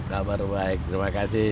kabar baik terima kasih